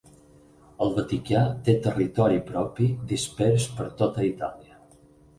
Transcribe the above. El Vaticà té territori propi dispers per tota Itàlia.